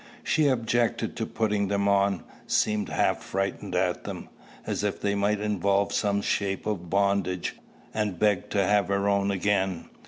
She objected to putting them on; seemed half frightened at them, as if they might involve some shape of bondage, and begged to have her own again.